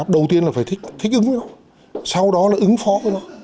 đầu tiên là phải thích ứng với nhau sau đó là ứng phó với nó